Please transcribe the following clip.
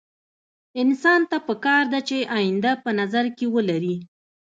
انسان ته پکار ده چې اينده په نظر کې ولري.